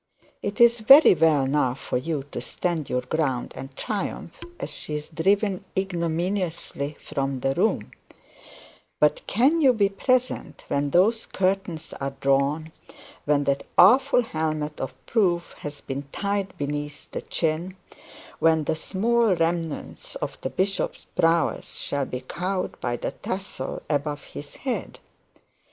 It is very well now for you to stand your ground, and triumph as she is driven ignominiously from the room; but can you be present when those curtains are drawn, when that awful helmet of proof has been tied beneath the chin, when the small remnants of the bishop's prowess shall be cowed by the tassel above his head?